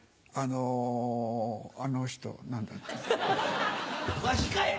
あのあの人何だっけ？